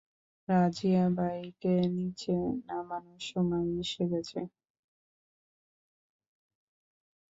রাজিয়াবাইকে নিচে নামানোর সময় এসে গেছে।